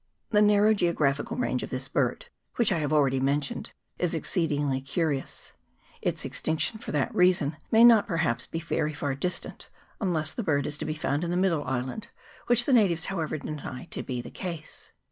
The narrow geographical range of this bird, which I have already mentioned, is exceedingly curious ; its extinction, for that reason, may not per haps be very far distant, unless the bird is to be found in the middle island, which the natives, how ever, deny to be the case.